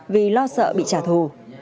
vì lo sợ bị trả thù